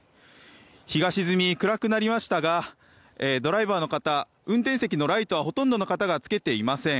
日が沈み暗くなりましたがドライバーの方運転席のライトはほとんどの方がつけていません。